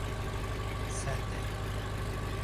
Sen de.